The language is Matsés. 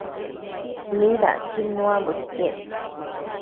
midacquid nuambo iquec?